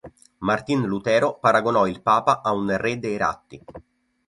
Martin Lutero paragonò il Papa a un re dei ratti.